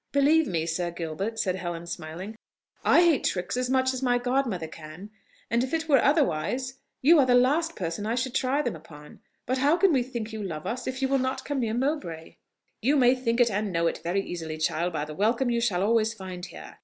"Believe me, Sir Gilbert," said Helen, smiling, "I hate tricks as much as my godmother can: and if it were otherwise, you are the last person I should try them upon. But how can we think you love us, if you will not come near Mowbray?" "You may think it, and know it, very easily, child, by the welcome you shall always find here.